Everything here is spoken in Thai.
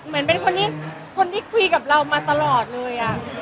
เหมือนเป็นคนที่คุยกับเรามาตลอดเลย